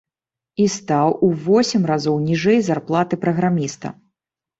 І стаў у восем разоў ніжэй зарплаты праграміста!